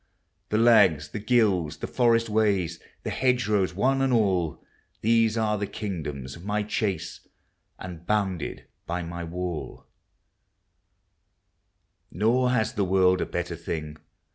The lags, the gills, the forest ways, The hedgerows one and all. These are the kingdoms of my chase, And bounded by my wall ; Nor has the world a better thing.